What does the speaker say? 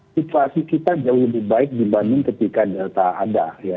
situasi kita jauh lebih baik dibanding ketika delta ada ya